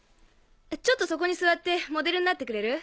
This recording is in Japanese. ちょっとそこに座ってモデルになってくれる？